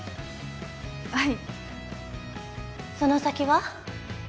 はいその先は？